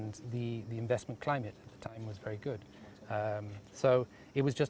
klinik investasi pada saat itu sangat bagus